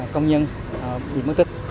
công nhân bị mất tích